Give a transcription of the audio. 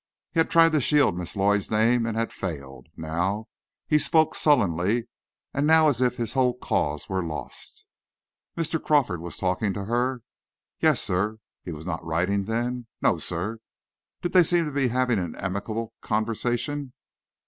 He had tried to shield Miss Lloyd's name and had failed. Now he spoke sullenly, and as if his whole cause were lost. "And Mr. Crawford was talking to her?" "Yes, sir." "He was not writing, then?" "No, sir." "Did they seem to be having an amicable conversation?"